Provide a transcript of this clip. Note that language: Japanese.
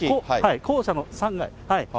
校舎の３階。